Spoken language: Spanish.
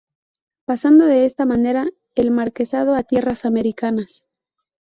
Pasando de esta manera el marquesado a tierras americanas.